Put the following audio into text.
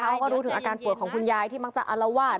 เขาก็รู้ถึงอาการป่วยของคุณยายที่มักจะอารวาส